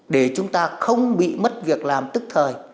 để chúng ta không bị mất việc làm tức thời